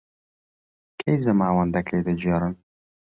کەی زەماوەندەکەی دەگێڕن؟